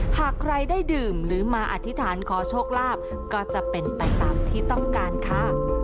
หากใครได้ดื่มหรือมาอธิษฐานขอโชคลาภก็จะเป็นไปตามที่ต้องการค่ะ